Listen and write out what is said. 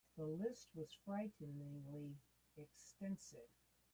The list was frighteningly extensive.